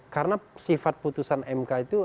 karena sifat putusan mk itu